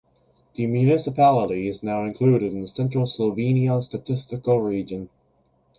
The municipality is now included in the Central Slovenia Statistical Region.